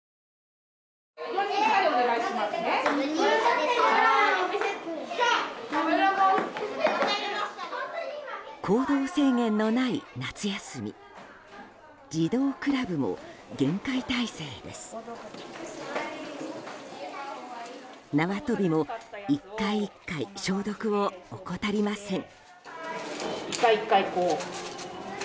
縄跳びも１回１回消毒を怠りません。